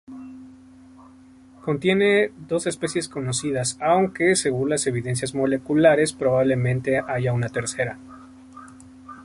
Contiene dos especies conocidas, aunque, según las evidencias moleculares, probablemente haya una tercera.